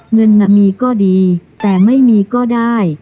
เงินน่ะมีก็ดีแต่ไม่มีก็ได้